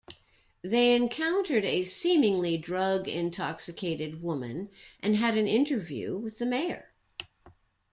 They encountered a seemingly drug-intoxicated woman and had an interview with the mayor.